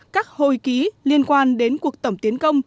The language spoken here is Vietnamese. các hồi ký liên quan đến cuộc tổng tiến công